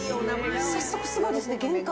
早速すごいですね、玄関。